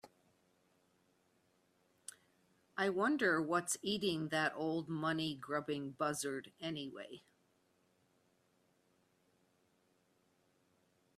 I wonder what's eating that old money grubbing buzzard anyway?